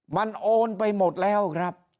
มันโอนไปหมดแล้วครับ